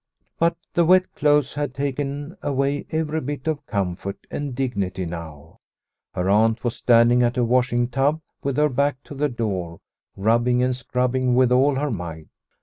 But the wet clothes had taken away every bit of comfort and dignity now. The Silver Thaler 135 Her aunt was standing at a washing tub with her back to the door, rubbing and scrubbing with all her might.